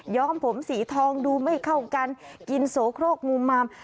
้อมผมสีทองดูไม่เข้ากันกินโสโครกมุมมาม